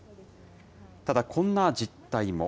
ただ、こんな実態も。